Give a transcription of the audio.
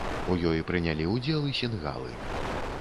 У ёй прынялі ўдзел і сінгалы.